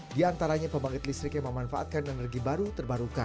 diantaranya pembangkit listrik yang memanfaatkan energi baru terbarukan